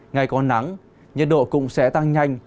ngay có nắng nhiệt độ cũng sẽ tăng nhanh